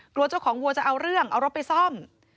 กลัวเจ้าของวัวจะเอาเรื่องเอารถไปซ่อม